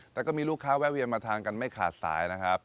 แต่ก็มีลูกค้าแวะเวียนมาทานกันไม่ขาดสายนะครับ